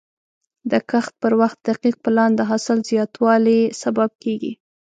د کښت پر وخت دقیق پلان د حاصل زیاتوالي سبب کېږي.